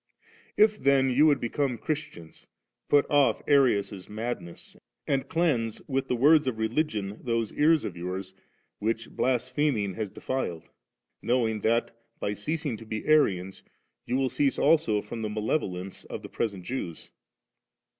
If then you would become Christians*, put off Anus's madness, •and cleanse ^ with the words of religion tliose ears of yours which blaspheming has defiled; knowing that, by ceasing to be Arians, you will cease also from the malevolence of the present Jews.